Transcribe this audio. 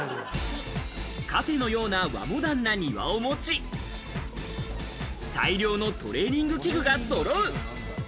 カフェのような和モダンな庭を持ち、大量のトレーニング器具がそろう。